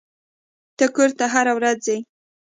ته کور ته هره ورځ ځې.